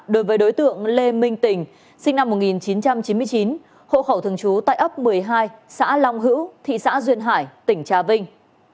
đối với đối tượng lê minh tình sinh năm một nghìn chín trăm chín mươi chín hộ khẩu thường trú tại ấp một mươi hai xã long hữu thị xã duyên hải tỉnh trà vinh